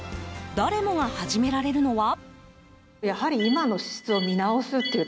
誰もが始められるのは。